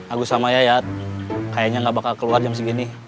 agus sama yayat kayaknya nggak bakal keluar jam segini